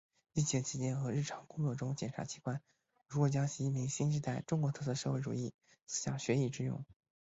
疫情期间和日常工作中检察机关如何将习近平新时代中国特色社会主义思想学以致用